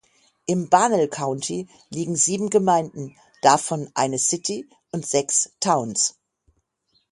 Im Barnwell County liegen sieben Gemeinden, davon eine "City" und sechs "Towns".